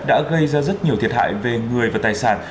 đã gây ra rất nhiều thiệt hại về người và tài sản